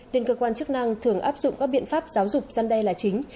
nên cơ quan chức năng thường áp dụng các biện pháp giáo dục dân đây là chính